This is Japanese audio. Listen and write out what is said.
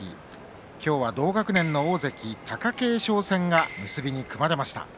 今日は同学年の大関貴景勝戦が結びに組まれました。